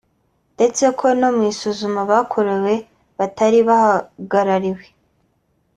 ndetse ko no mu isuzuma bakorewe batari bahagarariwe